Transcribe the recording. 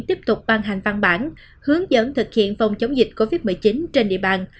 tiếp tục ban hành văn bản hướng dẫn thực hiện phòng chống dịch covid một mươi chín trên địa bàn